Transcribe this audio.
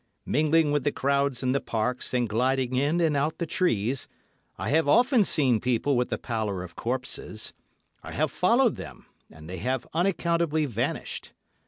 Mingling with the crowds in the parks and gliding in and out the trees, I have often seen people with the pallor of corpses; I have followed them, and they have unaccountably vanished.